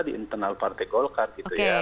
di internal partai golkar gitu ya